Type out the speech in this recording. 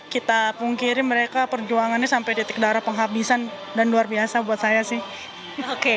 kita pungkiri mereka perjuangannya sampai detik darah penghabisan dan luar biasa buat saya sih oke